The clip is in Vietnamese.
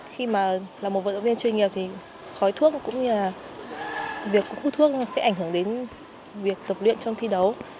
khi mà là một vận động viên chuyên nghiệp thì khói thuốc cũng như là việc hút thuốc sẽ ảnh hưởng đến việc tập luyện trong thi đấu